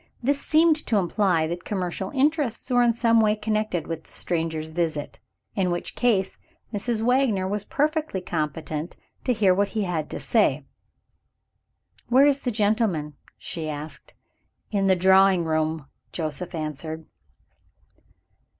This seemed to imply that commercial interests were in some way connected with the stranger's visit in which case, Mrs. Wagner was perfectly competent to hear what he had to say. "Where is the gentleman?" she asked. "In the drawing room," Joseph answered.